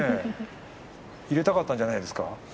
入れたかったんじゃないですか。